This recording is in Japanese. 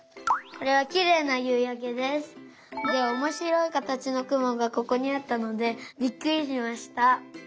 これはきれいなゆうやけです。でおもしろいかたちのくもがここにあったのでびっくりしました。